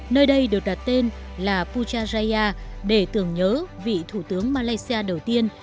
nơi đây được đặt tên là puchaya để tưởng nhớ vị thủ tướng malaysia đầu tiên